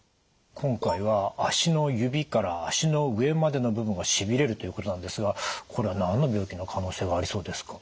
今回は足の指から足の上までの部分がしびれるということなんですがこれは何の病気の可能性がありそうですか？